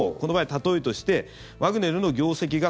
例えとしてワグネルの業績が